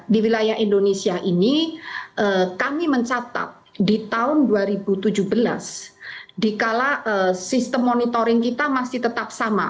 di wilayah indonesia ini kami mencatat di tahun dua ribu tujuh belas dikala sistem monitoring kita masih tetap sama